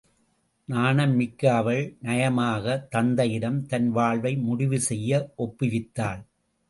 நாணம் மிக்க அவள் நயமாகத் தந்தையிடம் தன் வாழ்வை முடிவு செய்ய ஒப்புவித்தாள்.